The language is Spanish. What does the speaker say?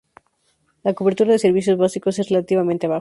La cobertura de servicios básicos es relativamente bajo.